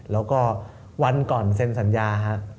แล้วก็วันก่อนเซ็นสัญญาฮะ